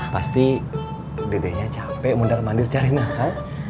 pasti dedenya capek mundur mandir cari makan